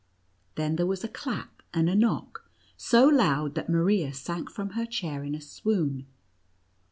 Then there was a clap, and a knock, so loud, that Maria sank from her chair in a swoon.